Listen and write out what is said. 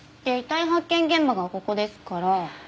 遺体発見現場がここですから。